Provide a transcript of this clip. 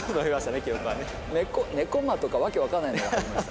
「ねこま」とか訳分かんないのがありました。